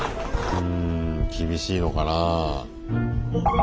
うん厳しいのかなぁ。